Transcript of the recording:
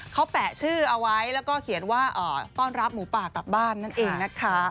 เขาแปะชื่อเอาไว้แล้วก็เขียนว่าต้อนรับหมูป่ากลับบ้านนั่นเองนะคะ